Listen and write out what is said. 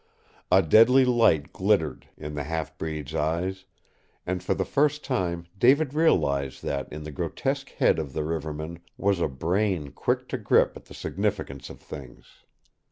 A deadly light glittered in the half breed's eyes, and for the first time David realized that in the grotesque head of the riverman was a brain quick to grip at the significance of things.